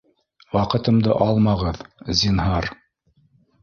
Ваҡытымды алмағыҙ, зинһар!